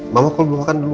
mama kalau belum makan dulu